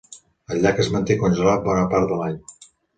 El llac es manté congelat bona part de l'any.